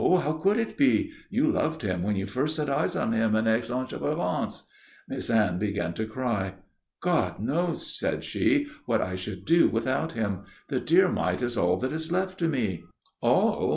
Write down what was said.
How could it be? You loved him when you first set eyes on him at Aix en Provence." Miss Anne began to cry. "God knows," said she, "what I should do without him. The dear mite is all that is left to me." "All?